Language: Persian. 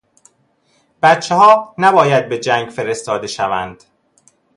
بچهها نباید به جنگ فرستاده شوند.